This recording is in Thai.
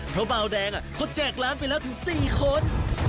เพราะบาลแดงอ่ะก็แจกร้านไปแล้วถึงสี่คน